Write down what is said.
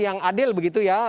yang adil begitu ya